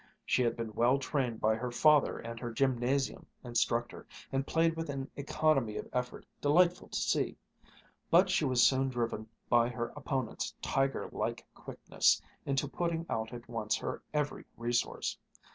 She had been well trained by her father and her gymnasium instructor, and played with an economy of effort delightful to see; but she was soon driven by her opponent's tiger like quickness into putting out at once her every resource.